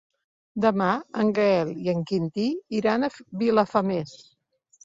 Demà en Gaël i en Quintí iran a Vilafamés.